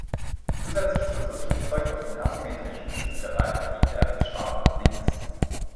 Zusätzlich zog das Flugzeug durch den asymmetrischen Schub der beiden Triebwerke stark nach links.